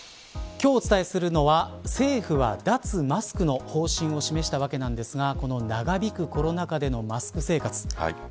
今日お伝えするのは政府は脱マスクの方針を示したわけなんですがこの長引くコロナ禍でのマスク生活。